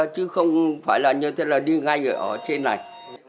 chứ không phải là như thế là đi ngay ở trên này